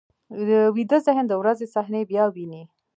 ویده ذهن د ورځې صحنې بیا ویني